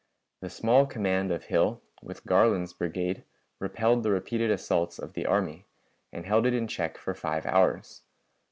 The small command of Hill, with Garland's brigade, repelled the repeated assaults of the army, and held it in check for five hours.